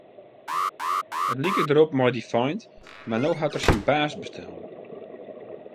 It like derop mei dy feint, mar no hat er syn baas bestellen.